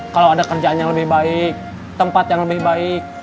kalau ada kerjaan yang lebih baik tempat yang lebih baik